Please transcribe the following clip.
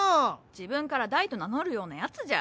自分から「大」と名乗るようなやつじゃ。